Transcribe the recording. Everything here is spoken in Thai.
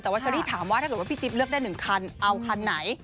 แต่ว่าเชอรี่ถามว่าถ้าเกิดว่าพี่จิ๊บเลือกได้๑คันเอาคันไหน